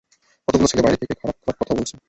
কতগুলো ছেলে বাইরে থেকে, খারাপ খারাপ কথা বলছে।